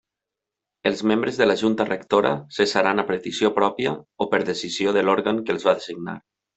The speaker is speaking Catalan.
Els membres de la Junta Rectora cessaran a petició pròpia o per decisió de l'òrgan que els va designar.